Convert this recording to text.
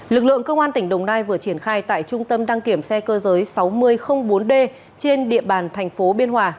lực lượng công an tỉnh đồng nai vừa triển khai tại trung tâm đăng kiểm xe cơ giới sáu nghìn bốn d trên địa bàn thành phố biên hòa